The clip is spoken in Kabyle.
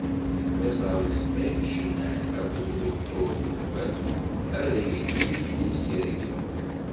D Mass Arezqi Cennan akked uduktur Tuwat ara yilin d imsirgen.